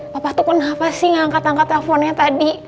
papa tuh kenapa sih nggak angkat angkat telponnya tadi